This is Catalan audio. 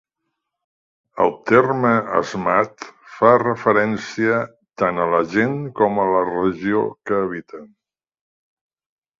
El terme Asmat fa referència tant a la gent com a la regió que habiten.